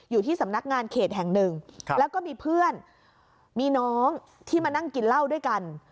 อยู่ที่สำนักงานเขตแห่งหนึ่งแล้วก็มีเพื่อนมีน้องที่มานั่งกินเหล้าด้วยกัน